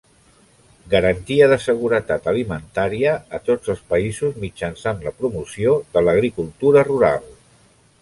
Garantia de seguretat alimentària a tots els països mitjançant la promoció de l'agricultura rural.